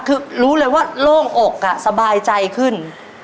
คือรู้เลยว่าโล่งอกสบายใจขึ้น